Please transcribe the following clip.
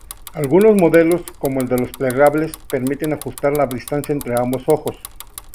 Algunos modelos, como el de los plegables, permiten ajustar la distancia entre ambos ojos.